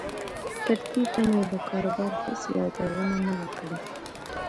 تر دې دمه یې د کاروبار هېڅ یادونه نه وه کړې